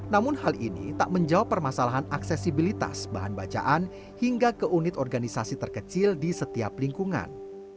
namun hal ini tak menjawab permasalahan aksesibilitas bahan bacaan hingga ke unit organisasi terkecil di setiap lingkungan